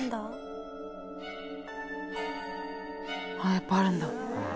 やっぱあるんだ。